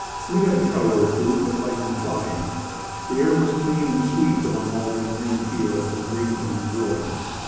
We had a shower or two, but light and flying. The air was clean and sweet among all these green fields and green things growing.